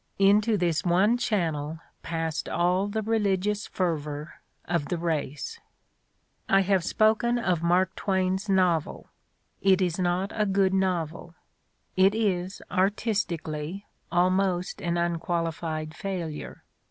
Into this one channel \ passed all the religious fervor of the race. I have spoken of Mark Twain's novel. It is not a good novel; it is, artistically, almost an unqualified failure.